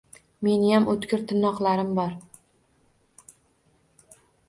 Meniyam o‘tkir timoqlarim bor. —